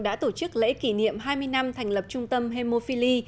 đã tổ chức lễ kỷ niệm hai mươi năm thành lập trung tâm hemophili